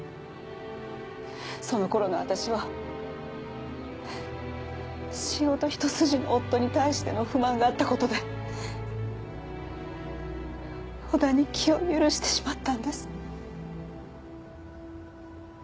その頃の私は仕事一筋の夫に対しての不満があった事で小田に気を許してしまったんです。